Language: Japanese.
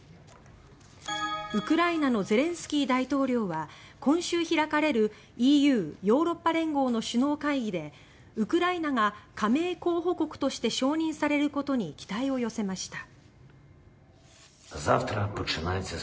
ウクライナのゼレンスキー大統領は今週開かれるＥＵ・ヨーロッパ連合の首脳会議でウクライナが加盟候補国として承認されることに期待を寄せました。